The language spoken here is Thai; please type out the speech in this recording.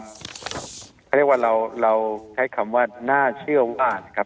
เขาเรียกว่าเราใช้คำว่าน่าเชื่อว่า